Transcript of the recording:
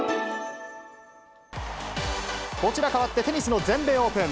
こちら、変わってテニスの全米オープン。